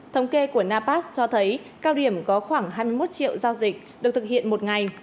thống kê của napas cho thấy cao điểm có khoảng hai mươi một triệu giao dịch được thực hiện một ngày